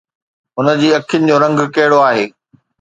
هن جي اکين جو رنگ ڪهڙو آهي؟